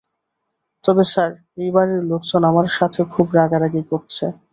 তবে স্যার, এই বাড়ির লোকজন আমার সাথে খুব রাগারাগি করছে।